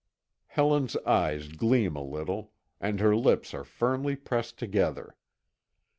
Helen's eyes gleam a little, and her lips are firmly pressed together.